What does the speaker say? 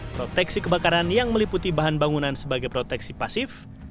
proteksi kebakaran yang meliputi bahan bangunan sebagai proteksi pasif